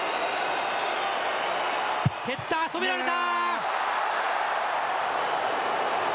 蹴った、止められた！